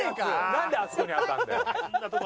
なんであそこに当たるんだよ。